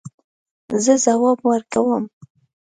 زه ځواب ورکوم